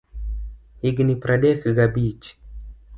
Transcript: Higni pradek ga abich.